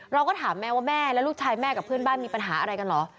เราก็ถามแม่ว่าแม่และลูกชายแม่กับเพื่อนบ้านมีปัญหาอะไรกันเหรอ